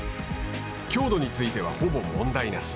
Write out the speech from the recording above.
強度については、ほぼ問題なし。